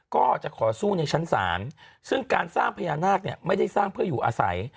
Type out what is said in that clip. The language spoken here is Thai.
ก็จะขอสู้ในชั้นศาลซึ่งการสร้างพญานาคเนี่ยไม่ได้สร้างเพื่ออยู่อาศัย